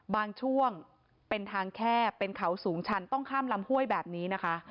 บางช่วงเป็นทางแคบเป็นเขาสูงชันต้องข้ามลำห้วยแบบนี้นะคะ